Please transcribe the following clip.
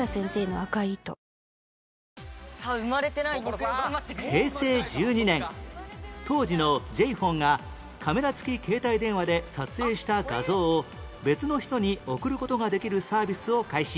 ハイハイサントリー「翠」平成１２年当時の Ｊ−ＰＨＯＮＥ がカメラ付き携帯電話で撮影した画像を別の人に送る事ができるサービスを開始